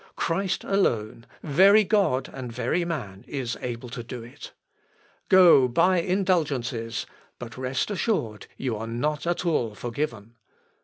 Christ alone, very God and very man, is able to do it. Go, buy indulgences ... but rest assured you are not at all forgiven.